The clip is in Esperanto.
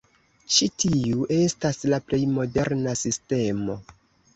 Ĉi tiu estas la plej moderna sistemo.